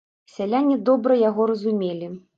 Сяляне добра яго разумелі.